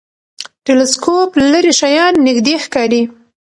ټلسکوپ لرې شیان نږدې ښکاري.